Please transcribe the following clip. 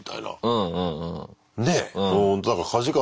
うん。